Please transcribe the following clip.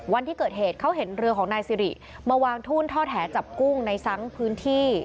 วันที่เกิดเหตุเขาเห็นเรือของนายสิริมาวางทุ่นท่อแถจับกุ้งในซ้ำพื้นที่